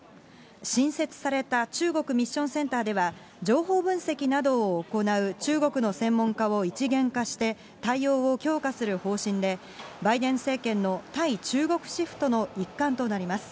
新設された中国ミッションセンターでは、情報分析などを行う中国の専門家を一元化して、対応を強化する方針で、バイデン政権の対中国シフトの一環となります。